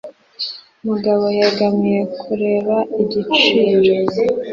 Mugabo yegamiye kureba igiciro.